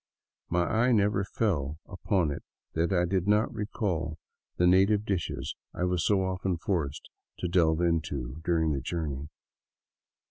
My eye never fell upon it that I did not recall the native dishes I was so often forced to delve into during the journey.